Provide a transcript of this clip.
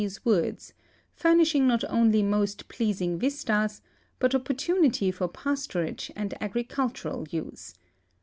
se woods, furnishing not only most i)leasing vistas hut opportunity for pasturage and agricultural use.